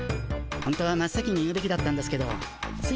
ほんとは真っ先に言うべきだったんですけどつい